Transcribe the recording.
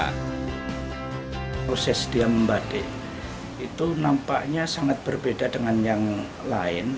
proses dia membatik itu nampaknya sangat berbeda dengan yang lain